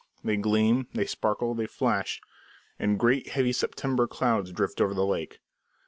They gleam, they sparkle, they flash; and great, heavy, September clouds drift over the lake.